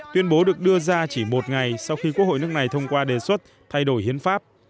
tuyên bố được đưa ra chỉ một ngày sau khi quốc hội nước này thông qua đề xuất thay đổi hiến pháp